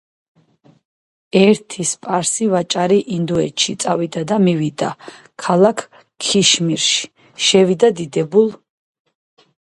ერთი სპარსი ვაჭარი ინდოეთში წავიდა და მივიდა ქალაქ ქიშმირში. შევიდა დიდებულ